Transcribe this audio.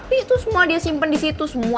iya tapi tuh semua dia simpen disitu semua